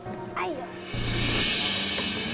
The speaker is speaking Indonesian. kenapa pak kamu minta andi nuntuk ke sini